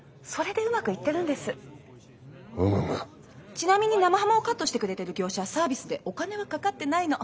ちなみに生ハムをカットしてくれてる業者はサービスでお金はかかってないの。